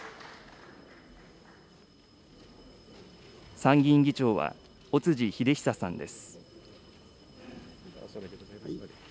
参議院議長は、尾辻秀久さんです。